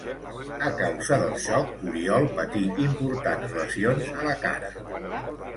A causa del xoc, Oriol patí importants lesions a la cara.